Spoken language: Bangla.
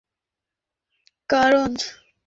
চাপের কারণে হচ্ছে।